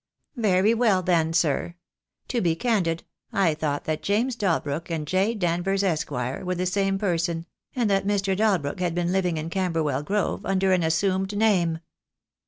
"Very well then, sir, to be candid I thought that James Dalbrook and J. Danvers, Esq., were the same person, and that Mr. Dalbrook had been living in Camberwell Grove under an assumed name."